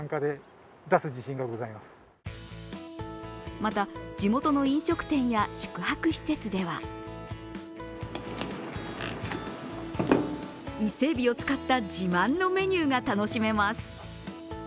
また、地元の飲食店や宿泊施設では伊勢えびを使った自慢のメニューが楽しめます。